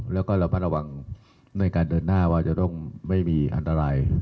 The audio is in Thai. แล้วก็ระมัดระวังในการเดินหน้าว่าจะต้องไม่มีอันตราย